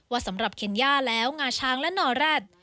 สำหรับเคนย่าแล้วงาช้างและนอแร็ด